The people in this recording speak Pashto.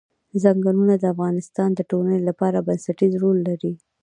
ځنګلونه د افغانستان د ټولنې لپاره بنسټيز رول لري.